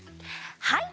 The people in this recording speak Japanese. はい！